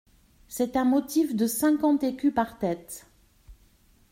C’est un motif de cinquante écus par tête.